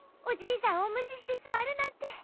おじいさんをむししてすわるなんて。